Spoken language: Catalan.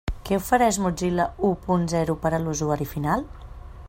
Què ofereix Mozilla u punt zero per a l'usuari final?